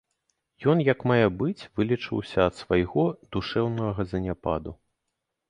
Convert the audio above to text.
Ён як мае быць вылечыўся ад свайго душэўнага заняпаду.